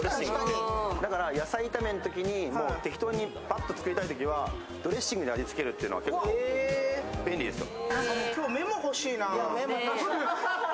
だから野菜炒めのときに適当にバッと作りたいときにはドレッシングで味付けるっていうのは結構、便利ですよ。